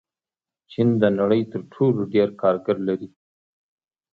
چین د نړۍ تر ټولو ډېر کارګر لري.